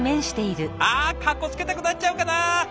あカッコつけたくなっちゃうかな。